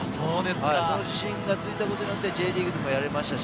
その自信がついたことによって、Ｊリーグでもやりましたし、